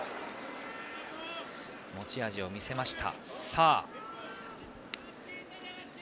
持ち味を見せました。